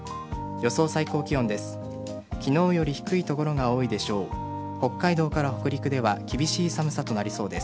予想最高気温です。